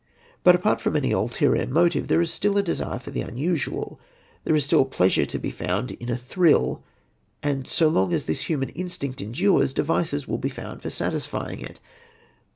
But apart from any ulterior motive there is still a desire for the unusual, there is still pleasure to be found in a thrill, and so long as this human instinct endures devices will be found for satisfying it.